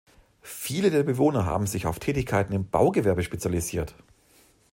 Viele der Bewohner haben sich auf Tätigkeiten im Baugewerbe spezialisiert.